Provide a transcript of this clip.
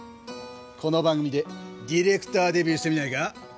この番組でディレクターデビューしてみないか？